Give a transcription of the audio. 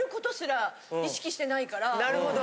なるほど。